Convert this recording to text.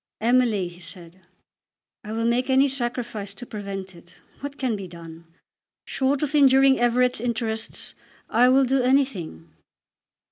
"Emily," he said, "I will make any sacrifice to prevent it. What can be done? Short of injuring Everett's interests I will do anything."